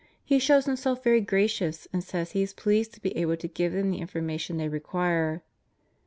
He shows himself very gracious and says he is pleased to be able to give them the information they re quire.